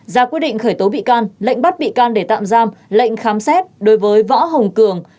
ra quyết định khởi tố bị can lệnh bắt bị can để tạm giam lệnh khám xét đối với võ hồng cường